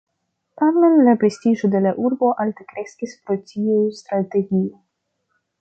Tamen la prestiĝo de la urbo alte kreskis pro tiu strategio.